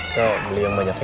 kalo beli yang banyak ya